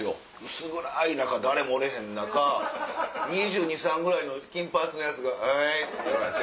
薄暗い中誰もおれへん中２２２３ぐらいの金髪のヤツが「あい」って言って。